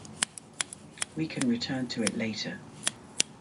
We can return to it later.